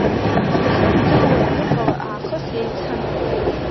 Рхы рдыруа ианыҟала аахыс еицын…